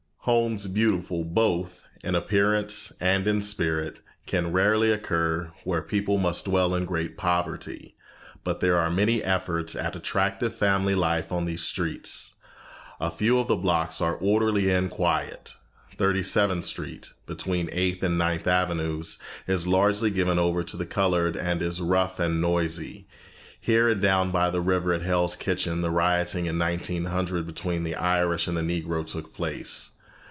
Homes beautiful both in appearance and in spirit can rarely occur where people must dwell in great poverty, but there are many efforts at attractive family life on these streets. A few of the blocks are orderly and quiet. Thirty seventh Street, between Eighth and Ninth Avenues, is largely given over to the colored and is rough and noisy. Here and down by the river at Hell's Kitchen the rioting in 1900 between the Irish and the Negro took place.